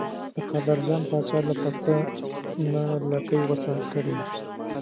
د قادر جان پاچا له پسه نه لکۍ غوڅه کړې.